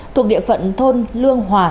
thuộc địa phận thôn lương hòa